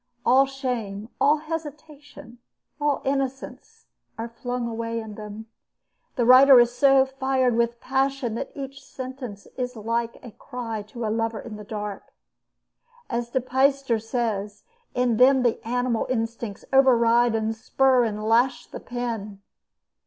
All shame, all hesitation, all innocence, are flung away in them. The writer is so fired with passion that each sentence is like a cry to a lover in the dark. As De Peyster says: "In them the animal instincts override and spur and lash the pen."